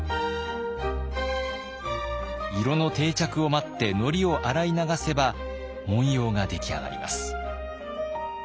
色の定着を待ってのりを洗い流せば紋様が出来上がります。